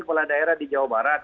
kepala daerah di jawa barat